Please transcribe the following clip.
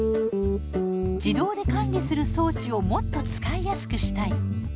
自動で管理する装置をもっと使いやすくしたい。